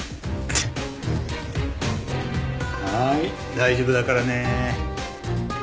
はい大丈夫だからね。